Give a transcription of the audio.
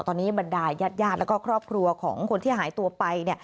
ตอนนี้บรรดายญาติแล้วก็ครอบครัวของคนที่หายตัวไป